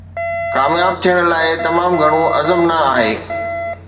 ڪامياب ٿيڻ لاء تمام گهڻو عزم نه آهي